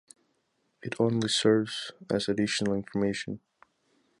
It only serves as additional information.